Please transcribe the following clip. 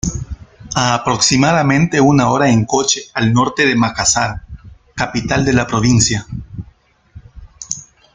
A aproximadamente una hora en coche al norte de Makassar, capital de la provincia.